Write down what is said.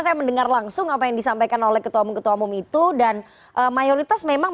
saya mendengar langsung apa yang disampaikan oleh ketua umum ketua umum itu dan mayoritas memang